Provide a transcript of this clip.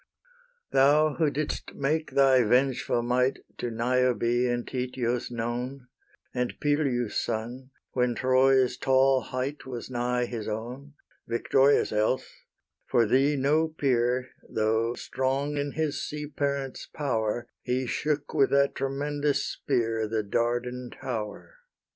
Thou who didst make thy vengeful might To Niobe and Tityos known, And Peleus' son, when Troy's tall height Was nigh his own, Victorious else, for thee no peer, Though, strong in his sea parent's power, He shook with that tremendous spear The Dardan tower.